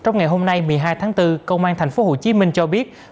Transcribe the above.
trong ngày hôm nay một mươi hai tháng bốn công an thành phố hồ chí minh cho biết